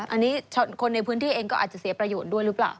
อันนี้คนในพื้นที่เองก็อาจจะเสียประโยชน์ด้วยหรือเปล่า